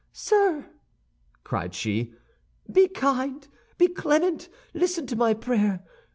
"Sir," cried she, "be kind, be clement, listen to my prayer!